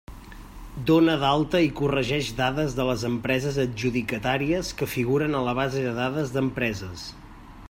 Dona d'alta i corregeix dades de les empreses adjudicatàries que figuren a la base de dades d'empreses.